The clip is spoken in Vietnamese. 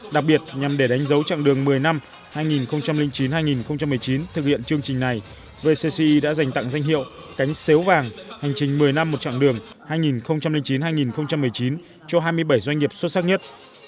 đặc biệt nhằm để đánh dấu trạng đường một mươi năm hai nghìn chín hai nghìn một mươi chín thực hiện chương trình này vcci đã dành tặng danh hiệu cánh xếu vàng hành trình một mươi năm một chặng đường hai nghìn chín hai nghìn một mươi chín cho hai mươi bảy doanh nghiệp xuất sắc nhất